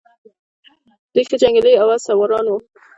دوی ښه جنګیالي او آس سواران وو